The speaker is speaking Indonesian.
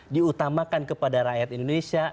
diutamakan kepada rakyat indonesia